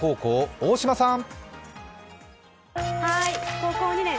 大島さん！